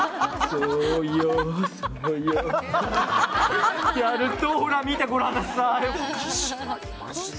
そうやるとほら、見てご覧なさい！